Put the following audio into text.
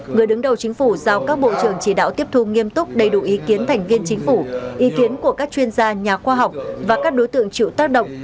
người đứng đầu chính phủ giao các bộ trưởng chỉ đạo tiếp thu nghiêm túc đầy đủ ý kiến thành viên chính phủ ý kiến của các chuyên gia nhà khoa học và các đối tượng chịu tác động